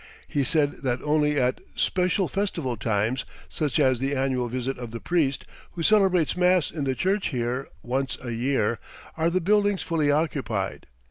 He said that only at special festival times, such as the annual visit of the priest, who celebrates mass in the church here, once a year, are the buildings fully occupied.